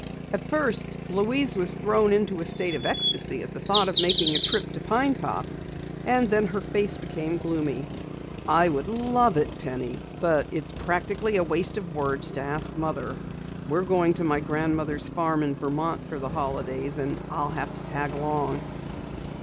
At first Louise was thrown into a state of ecstasy at the thought of making a trip to Pine Top and then her face became gloomy. "I would love it, Penny! But it's practically a waste of words to ask Mother. We're going to my grandmother's farm in Vermont for the holidays, and I'll have to tag along."